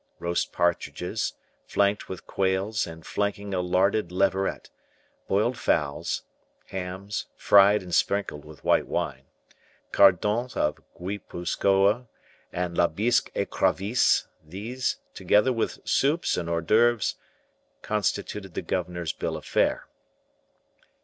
Roast partridges, flanked with quails and flanking a larded leveret; boiled fowls; hams, fried and sprinkled with white wine, cardons of Guipuzcoa and la bisque ecrevisses: these, together with soups and hors d'oeuvres, constituted the governor's bill of fare.